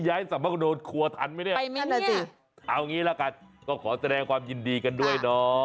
ย้ายสำหรับโดรดครัวทันไม่เนี้ยเอางี้แหละกันก็ขอแสดงความยินดีกันด้วยน้อ